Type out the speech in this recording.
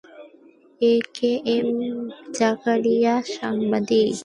এ K M Zakaria সাংবাদিক।